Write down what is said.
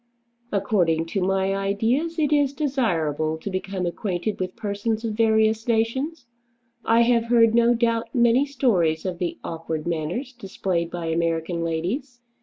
According to my ideas it is desirable to become acquainted with persons of various nations. I have heard, no doubt, many stories of the awkward manners displayed by American ladies.